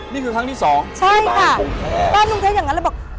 นี่คือครั้งที่สองใช่ค่ะบ้านกรุงเทพฯบ้านกรุงเทพฯอย่างงั้นแล้วบอก